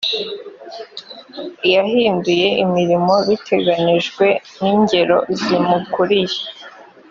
yahinduye imirimo biteganijwe n ingero zimukuriye.